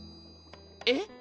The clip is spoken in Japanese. えっ？